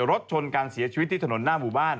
รถชนการเสียชีวิตที่ถนนหน้าหมู่บ้าน